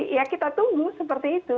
ya kita tunggu seperti itu